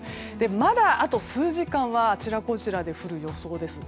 まだあと数時間はあちらこちらで降る予想です。